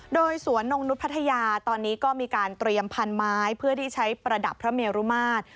โดยสวนนงนุษย์พัทยาตอนนี้ก็มีการเตรียมพันไม้เพื่อที่ใช้ประดับพระเมรุมาตร